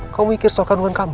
kamu mikir soal kandungan kamu